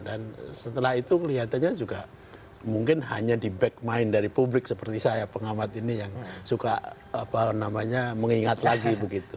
dan setelah itu kelihatannya juga mungkin hanya di back mind dari publik seperti saya pengamat ini yang suka apa namanya mengingat lagi begitu